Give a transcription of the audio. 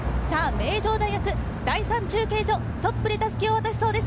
名城大学、第３中継所、トップで襷を渡しそうです。